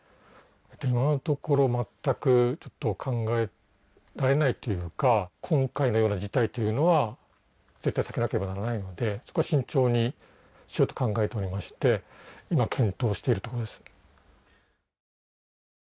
今のところ全くちょっと考えられないというか今回のような事態というのは絶対避けなければならないのでそこは慎重にしようと考えておりまして今検討しているところです。